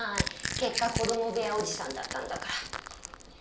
結果子供部屋おじさんだったんだから。